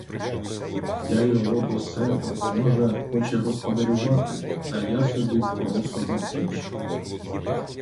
Я його до себе, може, хоче господарювати, а я собі в просо на піч.